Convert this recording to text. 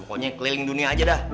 pokoknya keliling dunia aja dah